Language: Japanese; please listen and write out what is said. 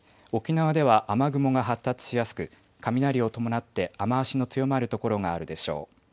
沖縄では雨雲が発達しやすく雷を伴って雨足の強まる所があるでしょう。